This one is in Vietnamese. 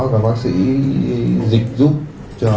và bác sĩ dịch giúp cho